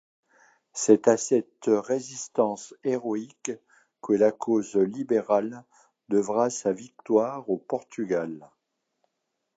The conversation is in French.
C'est à cette résistance héroïque que la cause libérale devra sa victoire au Portugal.